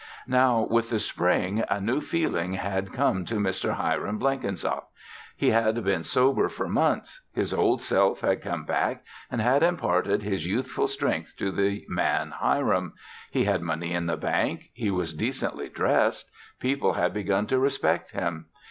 Now, with the spring, a new feeling had come to Mr. Hiram Blenkinsop. He had been sober for months. His Old Self had come back and had imparted his youthful strength to the man Hiram. He had money in the bank. He was decently dressed. People had begun to respect him.